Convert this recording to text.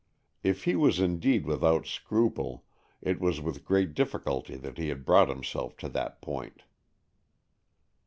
If he was indeed without scruple, it was with great difficulty that he had brought himself to that point.